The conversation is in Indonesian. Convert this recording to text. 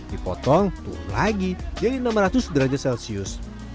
dipotong turun lagi jadi enam ratus derajat celcius